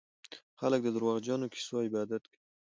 خلک د دروغجنو کيسو عبادت کوي.